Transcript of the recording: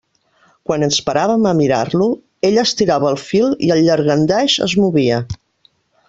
Quan ens paràvem a mirar-lo, ella estirava el fil i el llangardaix es movia.